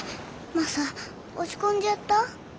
マサ落ち込んじゃった？